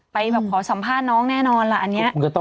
ไปแบบขอสัมภาษณ์น้องแน่นอนล่ะอันนี้